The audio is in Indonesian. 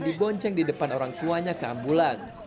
dibonceng di depan orang tuanya keambulan